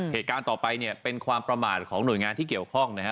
เหตุการณ์ต่อไปเนี่ยเป็นความประมาทของหน่วยงานที่เกี่ยวข้องนะฮะ